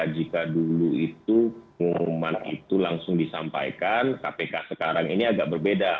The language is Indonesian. jika dulu itu pengumuman itu langsung disampaikan kpk sekarang ini agak berbeda